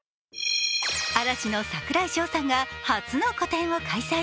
嵐の櫻井翔さんが初の個展を開催。